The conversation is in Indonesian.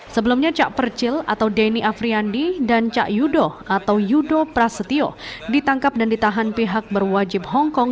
sebelumnya cak percil atau denny afriandi dan cak yudo atau yudo prasetyo ditangkap dan ditahan pihak berwajib hongkong